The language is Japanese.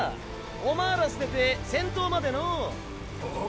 おまえら捨てて先頭までのう。